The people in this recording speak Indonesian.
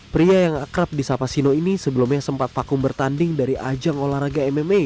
pria yang akrab di sapa sino ini sebelumnya sempat vakum bertanding dari ajang olahraga mma